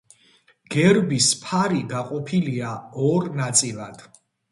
გერბის ფარი გაყოფილია ორ ნაწილად.